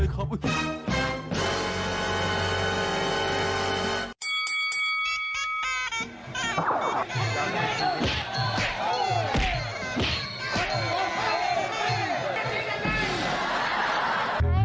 ทุกคนก็ให้ดื่ม